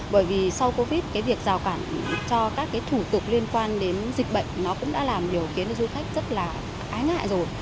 bởi vì sau covid cái việc rào cản cho các cái thủ tục liên quan đến dịch bệnh nó cũng đã làm điều khiến cho du khách rất là ái ngại rồi